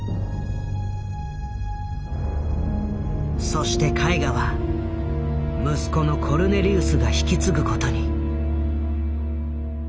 そして絵画は息子のコルネリウスが引き継ぐことに。